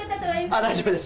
大丈夫です。